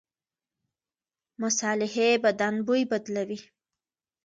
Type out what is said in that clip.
مصالحې بدن بوی بدلوي.